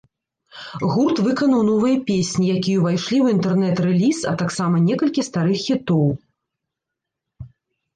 Гурт выканаў новыя песні, якія ўвайшлі ў інтэрнэт-рэліз, а таксама некалькі старых хітоў.